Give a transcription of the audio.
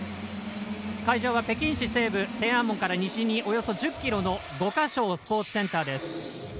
会場は北京市西部天安門から西におよそ１０ｋｍの五か松スポーツセンターです。